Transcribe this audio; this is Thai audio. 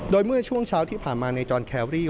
โดยเมื่อช่วงเช้าที่ผ่านมาในจอนแครรี่